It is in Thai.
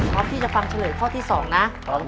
พร้อมที่จะฟังเฉลยข้อที่๒นะ